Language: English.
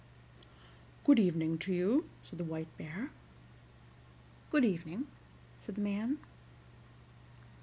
"Good evening to you," said the White Bear. "Good evening," said the man.